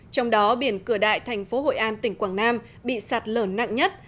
trong đó biển cửa đại thành phố hội an tỉnh quảng nam bị sạt lở nặng nhất